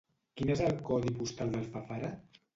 Quin és el codi postal d'Alfafara?